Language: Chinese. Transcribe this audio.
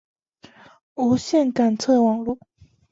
无线感测网路。